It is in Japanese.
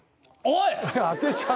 「おい！」